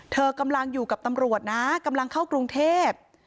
เธอกำลังอยู่กับตำรวจนะกำลังเข้ากรุงเทพ